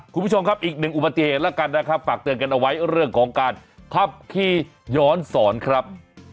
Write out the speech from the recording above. คุณผู้ชมครับอีกหนึ่งอุบัติเหตุแล้วกันนะครับฝากเตือนกันเอาไว้เรื่องของการขับขี่ย้อนสอนครับ